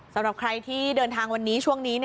สำหรับใครที่เดินทางวันนี้ช่วงนี้